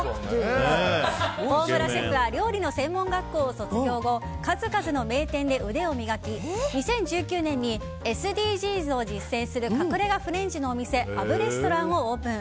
大村シェフは料理の専門学校を卒業後数々の名店で腕を磨き２０１９年にＳＤＧｓを実践する隠れ家フレンチのお店アブレストランをオープン。